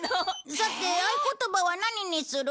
さて合言葉は何にする？